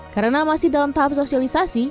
karena masih dalam tahap sosialisasi